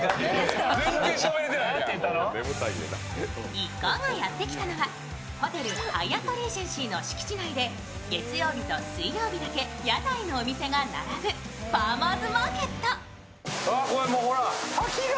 一行がやってきたのは、ホテルハイアットリージェンシーの敷地内で、月曜日と水曜日だけ屋台のお店が並ぶファーマーズマーケット。